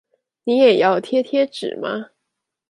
你也要貼貼紙嗎？